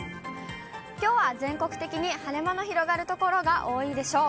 きょうは全国的に晴れ間の広がる所が多いでしょう。